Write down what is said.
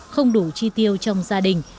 không đủ chi tiêu trong gia đình